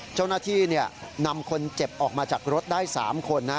เจ้าหน้าที่นำคนเจ็บออกมาจากรถได้๓คน